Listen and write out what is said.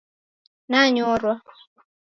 Nanyorwa